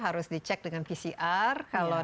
harus dicek dengan pcr kalau